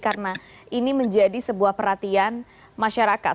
karena ini menjadi sebuah perhatian masyarakat